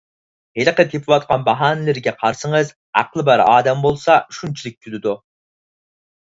ھېلىقى تېپىۋاتقان باھانىلىرىگە قارىسىڭىز، ئەقلى بار ئادەم بولسا شۇنچىلىك كۈلىدۇ.